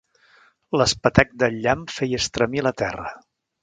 L'espetec del llamp feia estremir la terra.